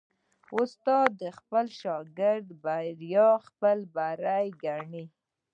استاد د خپل شاګرد بریا خپل بری ګڼي.